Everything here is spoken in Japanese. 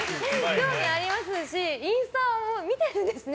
興味ありますしインスタも見てるんですね。